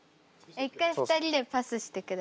一回２人でパスしてください。